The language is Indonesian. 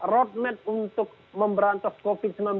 road map untuk memberantos covid sembilan belas